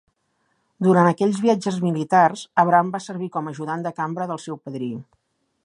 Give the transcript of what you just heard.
Durant aquests viatges militars, Abram va servir com a ajudant de cambra del seu padrí.